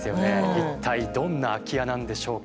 一体どんな空き家なんでしょうか？